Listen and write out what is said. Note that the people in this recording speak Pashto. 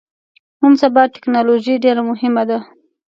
نن سبا ټکنالوژي ډیره مهمه ده